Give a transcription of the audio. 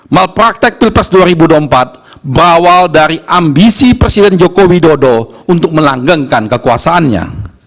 malpraktek pilpres dua ribu dua puluh empat berawal dari ambisi presiden joko widodo untuk melanggengkan kekuasaannya